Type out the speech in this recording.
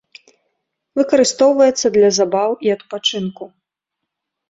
Выкарыстоўваецца для забаў і адпачынку.